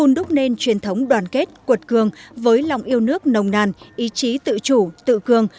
truyền thống đoàn kết cuột cường với lòng yêu nước nồng nàn ý chí tự chủ tự cường